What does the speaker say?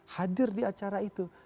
hadir di acara itu